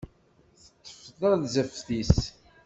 Teṭṭef tarzeft-is.